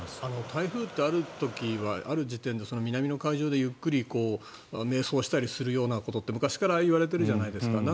台風ってある時はある時点で南の海上でゆっくり迷走するようなことって昔から言われているじゃないですか。